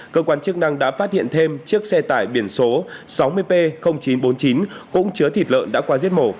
cơ quan chức năng đã phát hiện thêm chiếc xe tải biển số sáu mươi p chín trăm bốn mươi chín cũng chứa thịt lợn đã qua giết mổ